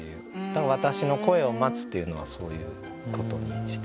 「わたしの声を待つ」っていうのはそういうことにしてます。